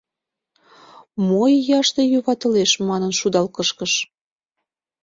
«Мо ияште юватылеш!» — манын, шудал кышкыш.